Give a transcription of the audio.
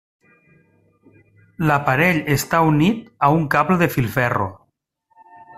L'aparell està unit a un cable de filferro.